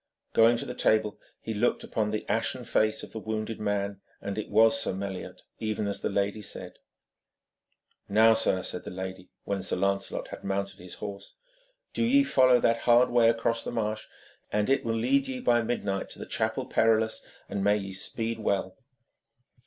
Going to the table, he looked upon the ashen face of the wounded man, and it was Sir Meliot, even as the lady said. 'Now, sir,' said the lady, when Sir Lancelot had mounted his horse, 'do ye follow that hard way across the marsh, and it will lead ye by midnight to the Chapel Perilous, and may ye speed well.'